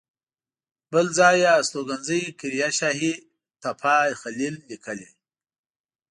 بل ځای یې استوګنځی قریه شاهي تپه خلیل لیکلی.